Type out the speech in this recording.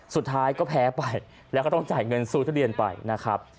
สุดท้ายก็แพ้ไปแล้วก็ต้องจ่ายเงินซื้อทุเรียนไปนะครับ